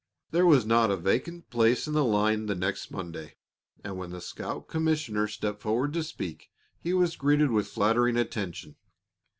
There was not a vacant place in the line the next Monday, and when the scout commissioner stepped forward to speak he was greeted with flattering attention.